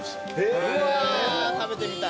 うわ食べてみたい。